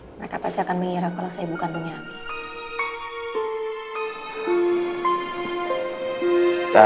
mereka pasti akan mengira kalau saya bukan ibunya ambi